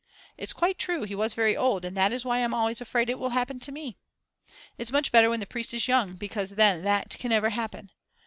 It's quite true, he was very old, and that is why I'm always afraid it will happen to me. It's much better when the priest is young, because then that can never happen.